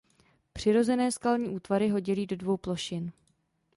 Přirozené skalní útvary ho dělí do dvou plošin.